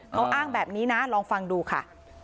เขาอ้างแบบนี้นะลองฟังดูค่ะ